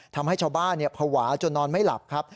ทำให้ชาวบ้านภาวะจนนอนไม่หลับครับ